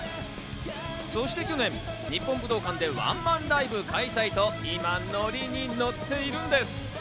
そして去年、日本武道館でワンマンライブ開催と今、ノリにノッているんです。